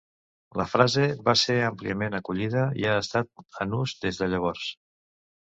La frase va ser àmpliament acollida i ha estat en ús des de llavors.